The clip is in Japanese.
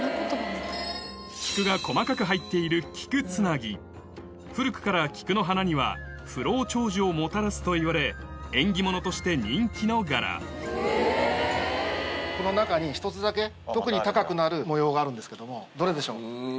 菊が細かく入っている菊繋ぎ古くから菊の花には不老長寿をもたらすといわれ縁起物として人気の柄があるんですけどもどれでしょう？